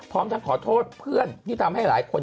พร้อมทั้งขอโทษเพื่อนที่ทำให้หลายคน